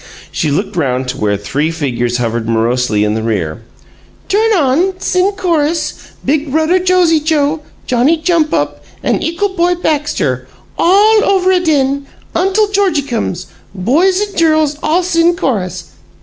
She looked round to where three figures hovered morosely in the rear. "Tum on, sin' chorus, Big Bruvva Josie Joe, Johnny Jump up, an' Ickle Boy Baxter. All over adain, Untle Georgiecums! Boys an' dirls all sin' chorus.